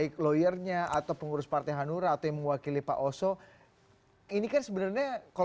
kita akan break